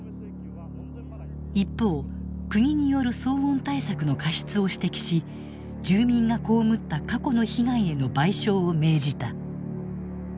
一方国による騒音対策の過失を指摘し住民が被った過去の被害への賠償を命じた。